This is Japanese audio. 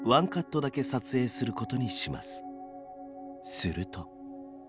すると。